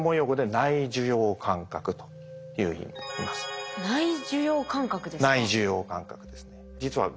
内受容感覚ですか？